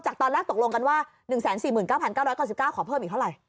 ตอนแรกตกลงกันว่า๑๔๙๙๙๙ขอเพิ่มอีกเท่าไหร่